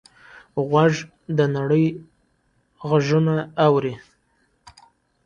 غوږ د نړۍ غږونه اوري.